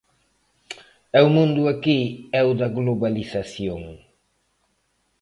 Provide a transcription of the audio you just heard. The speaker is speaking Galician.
E o mundo aquí é o da globalización.